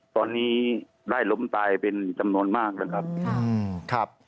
ตอนนี้ได้ล้มตายเป็นจำนวนมากแล้วครับ